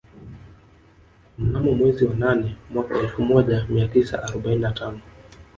Mnamo mwezi wa nane mwaka elfu moja mia tisa arobaini na tano